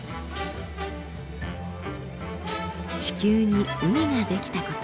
地球に海が出来たこと。